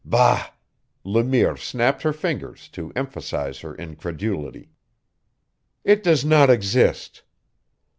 "Bah!" Le Mire snapped her fingers to emphasize her incredulity. "It does not exist."